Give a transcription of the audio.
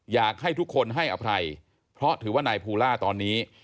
อยากให้ทุกคนให้อภัยเพราะถือว่านายภูล่าตอนนี้